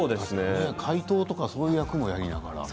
怪盗とかそういう役もやりながら。